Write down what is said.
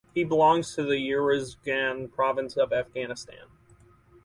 He belongs to the Uruzgan province of Afghanistan.